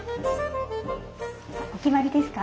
お決まりですか？